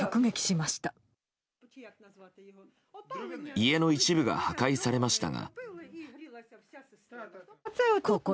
家の一部が破壊されましたが。